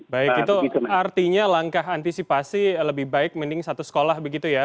baik itu artinya langkah antisipasi lebih baik mending satu sekolah begitu ya